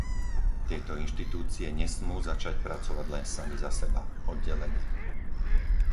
Tieto inštitúcie nesmú začať pracovať len sami za seba, oddelene.